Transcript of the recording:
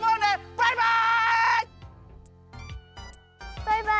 バイバイ！